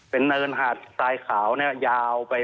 เป็นเนินหาดสายขาวยาวไป